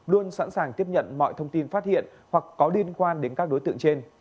luôn sẵn sàng tiếp nhận mọi thông tin phát hiện hoặc có liên quan đến các đối tượng trên